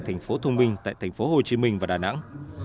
thành phố thông minh tại thành phố hồ chí minh và đà nẵng